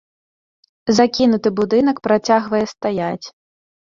Закінуты будынак працягвае стаяць.